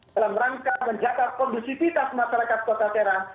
dalam rangka menjaga kondusivitas masyarakat kota serang